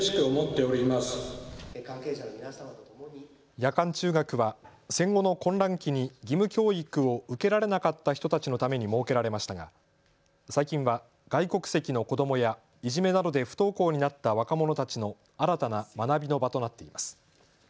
夜間中学は戦後の混乱期に義務教育を受けられなかった人たちのために設けられましたが最近は外国籍の子どもやいじめなどで不登校になった若者たちの新たな学びの場となっています。